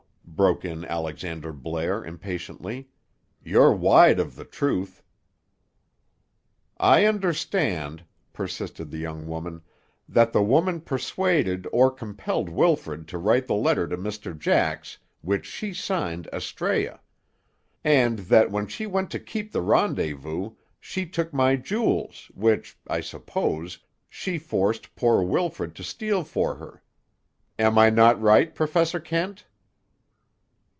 broke in Alexander Blair impatiently. "You're wide of the truth." "I understand," persisted the young woman, "that the woman persuaded or compelled Wilfrid to write the letter to Mr. Jax, which she signed Astræa. And that, when she went to keep the rendezvous, she took my jewels, which, I suppose, she forced poor Wilfrid to steal for her. Am I not right, Professor Kent?"